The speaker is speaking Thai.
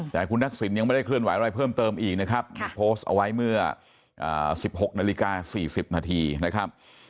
แต่คุณทักษิณยังไม่ได้เคลื่อนไหวอะไรเพิ่มเติมอีกนะครับมีโพสต์เอาไว้เมื่อ๑๖นาฬิกา๔๐นาทีนะครับ